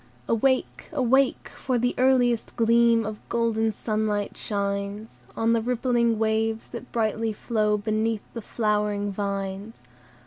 "Awake! awake! for the earliest gleam Of golden sunlight shines On the rippling waves, that brightly flow Beneath the flowering vines.